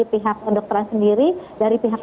pihak kedokteran sendiri dari pihak